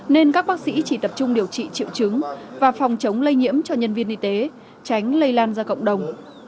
nên các bác sĩ chỉ tập trung điều trị triệu chứng và phòng chống lây nhiễm cho nhân viên y tế tránh lây lan ra cộng đồng